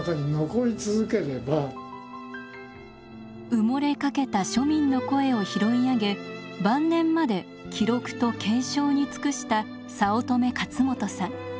埋もれかけた庶民の声を拾い上げ晩年まで記録と継承に尽くした早乙女勝元さん。